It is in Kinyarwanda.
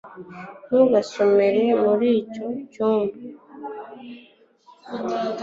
ntugasomere muri icyo cyumba